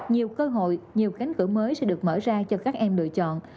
nhiều cơ hội nhiều cánh cửa mới sẽ được mở ra cho các em lựa chọn